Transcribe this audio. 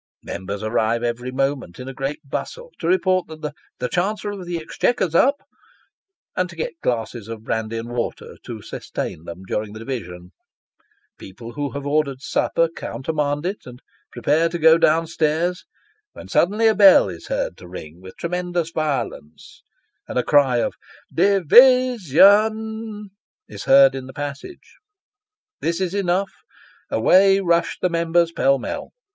Members arrive every moment in a great bustle to report that " The Chancellor of the Exchequer's up," and to get glasses of brandy and water to sustain them during the division ; people who have ordered supper, countermand it, and prepare to go down stairs, when suddenly a bell is heard to ring with tremendous violence, and a cry of " Di vi sion !" is heard in the passage. This is enough ; away rush the members pell mell.